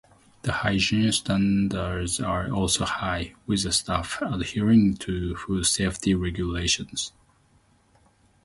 The hygiene standards are also high, with the staff adhering to food safety regulations.